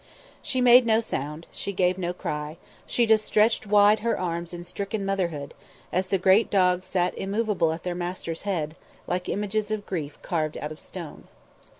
She made no sound, she gave no cry, she just stretched wide her arms in stricken motherhood, as the great dogs sat immovable at their master's head, like images of grief carved out of stone.